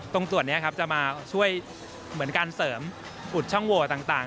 ตรงส่วนนี้ครับจะมาช่วยเหมือนการเสริมอุดช่องโหวต่าง